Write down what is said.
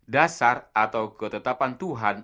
dasar atau ketetapan tuhan